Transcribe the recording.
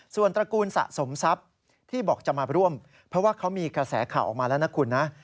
ส่วนตระกูลสะสมทรัพย์ที่บอกจะมาร่วมเพราะว่าเขามีกระแสข่าวออกมาแล้วนะคุณนะ